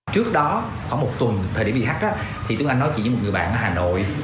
trước đó khoảng một tuần thời điểm vh thì tuấn anh nói chuyện với một người bạn ở hà nội